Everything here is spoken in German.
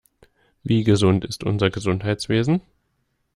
Wie gesund ist unser Gesundheitswesen?